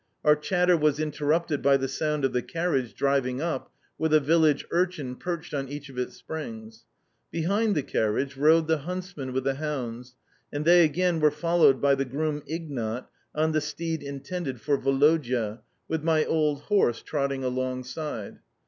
Our chatter was interrupted by the sound of the carriage driving up, with a village urchin perched on each of its springs. Behind the carriage rode the huntsmen with the hounds, and they, again, were followed by the groom Ignat on the steed intended for Woloda, with my old horse trotting alongside.